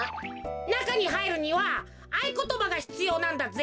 なかにはいるにはあいことばがひつようなんだぜ。